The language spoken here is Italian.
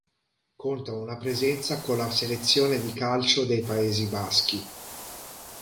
Conta una presenza con la Selezione di calcio dei Paesi Baschi.